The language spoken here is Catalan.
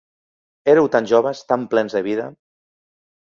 Éreu tan joves, tan plens de vida.